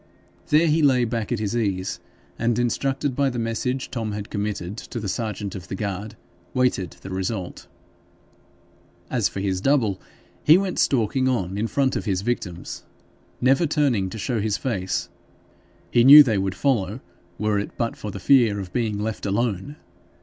There he lay back at his ease, and, instructed by the message Tom had committed to the serjeant of the guard, waited the result. As for his double, he went stalking on in front of his victims, never turning to show his face; he knew they would follow, were it but for the fear of being left alone.